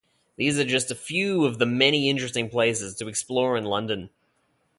These are just a few of the many interesting places to explore in London.